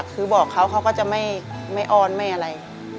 คือบอกเขาเขาก็จะไม่อ้อนไม่อะไร